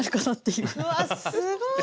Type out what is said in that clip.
うわあすごい！